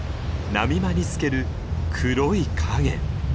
波間に透ける黒い影。